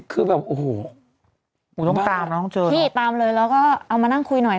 คือแบบโอ้โหหนูต้องตามน้องเจอพี่ตามเลยแล้วก็เอามานั่งคุยหน่อย